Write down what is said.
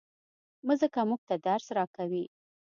مځکه موږ ته درس راکوي.